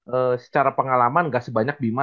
eee secara pengalaman gak sebanyak bima